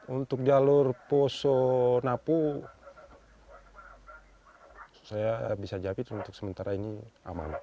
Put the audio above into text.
untuk jalur poso napu saya bisa jawab itu untuk sementara ini aman